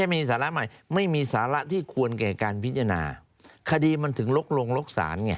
ไม่มีศาละที่ควรแก่การพิจารณาคดีมันถึงลกลงลกศาลเนี่ย